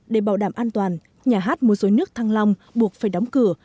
để bảo đảm an toàn nhà hát mua suối nước thăng long buộc phải đóng cửa